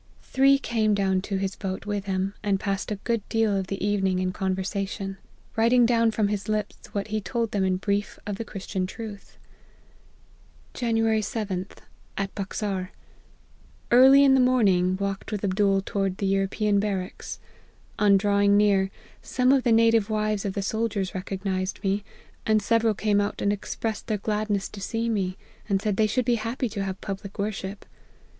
Three came down to his boat with him, and passed a good deal of the evening in conversation ; writing down from his lips what he told them in brief of Christian truth." " Jan. 7th. At Baxar. Early in the morning walked with Abdool toward the European barracks. On drawing near, some of the native wives of the soldiers recognized me, and several came out and expressed their gladness to see me, and said they should be happy to have public worship.